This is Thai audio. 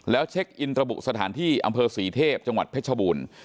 แล้วเช็คอินระบุสถานที่อำเภอศรีเทพจังหวัดเพชรบูรณ์